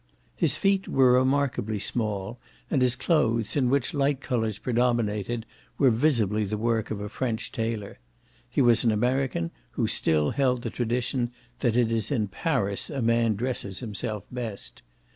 His feet were remarkably small, and his clothes, in which light colours predominated, were visibly the work of a French tailor: he was an American who still held the tradition that it is in Paris a man dresses himself best.